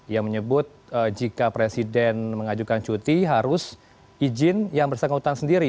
yang menyebut jika presiden mengajukan cuti harus izin yang bersangkutan sendiri